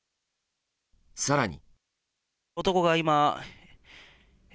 更に。